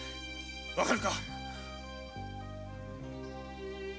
分かるか！